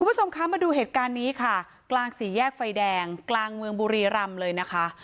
คุณผู้ชมคะมาดูเหตุการณ์นี้ค่ะกลางสี่แยกไฟแดงกลางเมืองบุรีรำเลยนะคะ